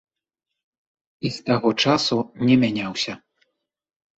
І з таго часу не мяняўся.